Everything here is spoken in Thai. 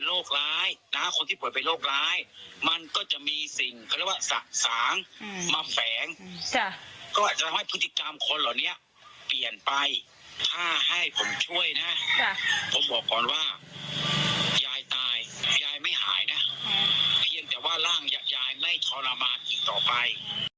ถ้าให้ผมช่วยนะผมบอกก่อนว่ายายตายยายไม่หายนะเพียงแต่ว่าร่างยายไม่ทรมานอีกต่อไป